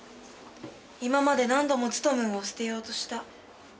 今まで何度もツトムンを捨てようとした。